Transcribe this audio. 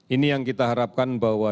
ini yang kita harapkan bahwa